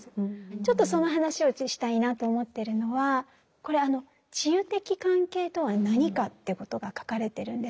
ちょっとその話をしたいなと思ってるのはこれ治癒的関係とは何かということが書かれてるんです。